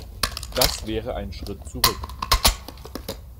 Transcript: Das wäre ein Schritt zurück.